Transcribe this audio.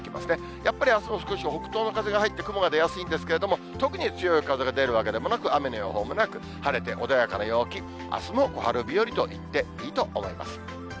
やっぱりあすも少し北東の風が入って、雲が出やすいんですけれども、特に強い風が出るわけでもなく、雨の予報もなく、晴れて穏やかな陽気、あすも小春日和といっていいと思います。